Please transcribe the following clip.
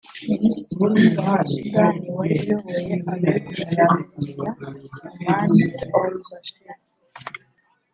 Minisitiri w’Ingabo wa Sudani wari uyoboye abeguje Perezida Omar al-Bashir